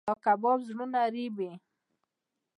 دا کباب زړونه رېبي.